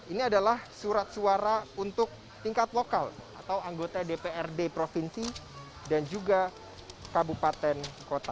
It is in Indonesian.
ini adalah surat suara untuk tingkat lokal atau anggota dprd provinsi dan juga kabupaten kota